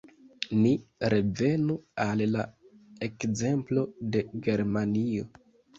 Ni revenu al la ekzemplo de Germanio.